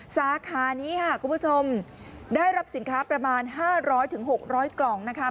สาขานี้ค่ะคุณผู้ชมได้รับสินค้าประมาณ๕๐๐๖๐๐กล่องนะคะ